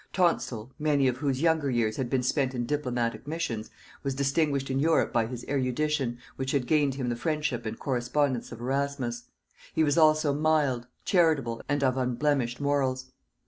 Tonstal, many of whose younger years had been spent in diplomatic missions, was distinguished in Europe by his erudition, which had gained him the friendship and correspondence of Erasmus; he was also mild, charitable, and of unblemished morals.